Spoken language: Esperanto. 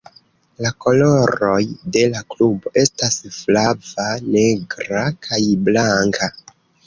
La koloroj de la klubo estas flava, negra, kaj blanka.